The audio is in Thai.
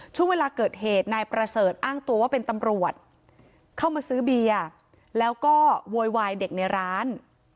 ช่วงเวลาเกิดเหตุนายประเสริฐอ้างตัวว่าเป็นตำรวจเข้ามาซื้อเบียร์แล้วก็โวยวายเด็กในร้าน